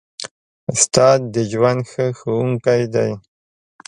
استاد د ژوند ښه ښوونکی دی.